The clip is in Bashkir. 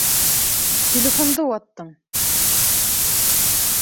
Телефонды ваттың!